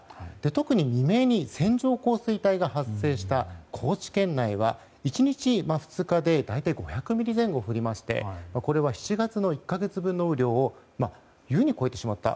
特に未明に線状降水帯が発生した高知県内は１日２日で大体５００ミリ前後降りましてこれは７月の１か月分の雨量を優に超えてしまった。